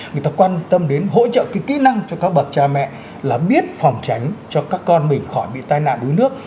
người ta quan tâm đến hỗ trợ cái kỹ năng cho các bậc cha mẹ là biết phòng tránh cho các con mình khỏi bị tai nạn đuối nước